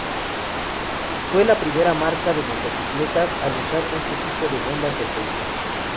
Fue la primera marca de motocicletas al usar este tipo de bombas de aceite.